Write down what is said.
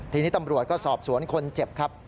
ทีนี้ตำรวจก็สอบสวนคนเจ็บครับ